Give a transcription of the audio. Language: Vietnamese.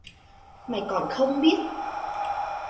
Mày còn không biết